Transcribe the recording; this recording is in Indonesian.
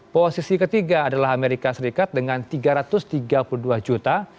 posisi ketiga adalah amerika serikat dengan tiga ratus tiga puluh dua juta